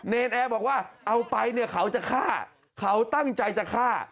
นแอร์บอกว่าเอาไปเนี่ยเขาจะฆ่าเขาตั้งใจจะฆ่า